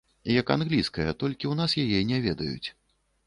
Як англійская, толькі ў нас яе не ведаюць.